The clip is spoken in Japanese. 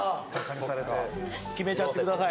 決めちゃってください